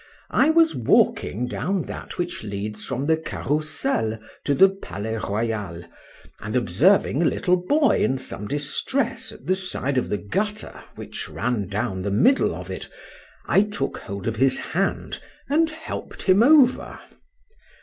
I was walking down that which leads from the Carousal to the Palais Royal, and observing a little boy in some distress at the side of the gutter which ran down the middle of it, I took hold of his hand and help'd him over.